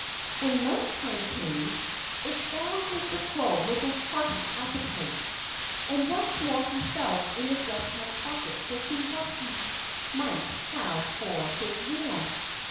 When lunch time came, it found Mr. Crow with a hearty appetite. And once more he felt in his left hand pocket to see what he might have for his meal.